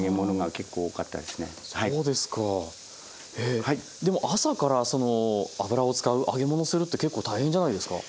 えでも朝から油を使う揚げ物をするって結構大変じゃないですか？